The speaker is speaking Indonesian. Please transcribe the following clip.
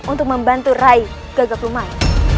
untuk membantu rai gagap lumai